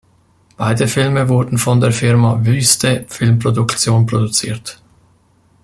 Beide Filme wurden von der Firma Wüste Filmproduktion produziert.